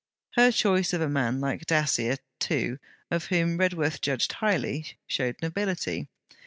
Her choice of a man like Dacier, too, of whom Redworth judged highly, showed nobility.